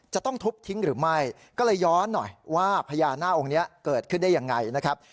จะต้องทุบทิ้งหรือไม่ก็เลยย้อนหน่อยว่าพญานาคองค์นี้เกิดขึ้นได้ยังไงนะครับ